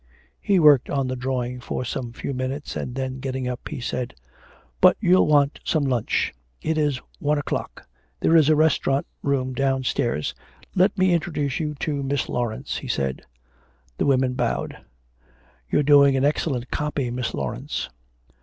He worked on the drawing for some few minutes, and then getting up he said, 'But you'll want some lunch; it is one o'clock. There's a refreshment room downstairs. Let me introduce you to Miss Laurence,' he said. The women bowed. 'You're doing an excellent copy, Miss Laurence.'